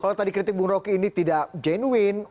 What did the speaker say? kalau tadi kritik bung roki ini tidak genuine